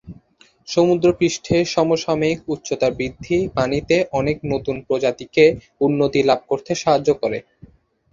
সমুদ্রপৃষ্ঠের সমসাময়িক উচ্চতা বৃদ্ধি পানিতে অনেক নতুন প্রজাতিকে উন্নতি লাভ করতে সাহায্য করে।